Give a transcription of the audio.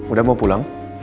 udah mau pulang